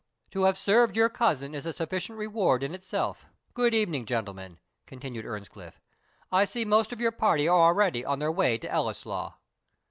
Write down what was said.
"To have served your cousin is a sufficient reward in itself Good evening, gentlemen," continued Earnscliff; "I see most of your party are already on their way to Ellieslaw."